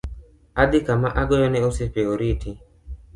Adhi kama ka agoyo ne osiepe oriti.